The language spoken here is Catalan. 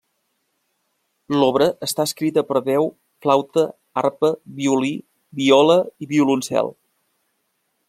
L'obra està escrita per a veu, flauta, arpa, violí, viola i violoncel.